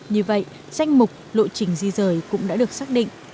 như vậy danh mục lộ trình di rời cũng đã được xác định